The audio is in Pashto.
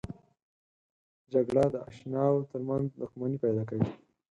جګړه د اشناو ترمنځ دښمني پیدا کوي